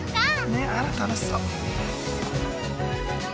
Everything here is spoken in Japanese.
ねえあら楽しそう。